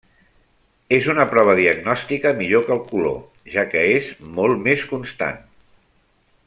És una prova diagnòstica millor que el color, ja que és molt més constant.